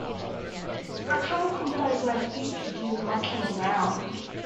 I can't compose my speech with you mucking around.